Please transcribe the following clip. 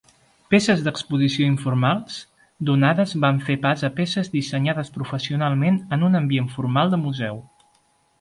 Peces d'exposició informals, donades van fer pas a peces dissenyades professionalment en un ambient formal de museu.